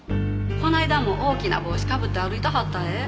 この間も大きな帽子かぶって歩いてはったえ。